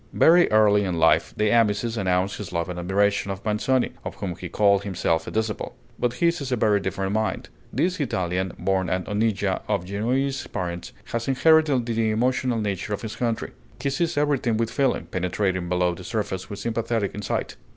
Very early in life De Amicis announced his love and admiration of Manzoni, of whom he called himself a disciple. But his is a very different mind. This Italian, born at Onéglia of Genoese parents, has inherited the emotional nature of his country. He sees everything with feeling, penetrating below the surface with sympathetic insight.